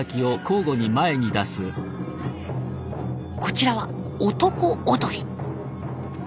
こちらは男踊り。